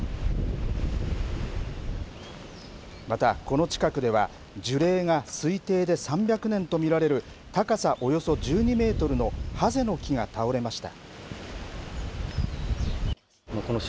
また、この近くでは樹齢が推定で３００年と見られる高さ、およそ１２メートルのハゼの木が倒れました。